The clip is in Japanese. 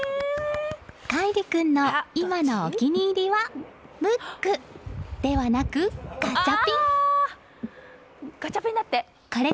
海李君の今のお気に入りはムックではなくガチャピン。